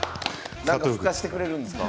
何か拭かせてくれるんですか？